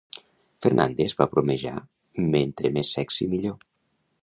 Fernandes va bromejar Mentre més sexy millor.